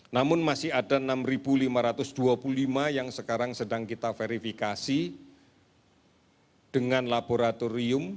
namun masih ada enam lima ratus dua puluh lima yang sekarang sedang kita verifikasi dengan laboratorium